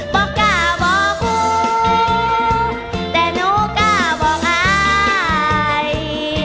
กล้าบอกครูแต่หนูกล้าบอกอาย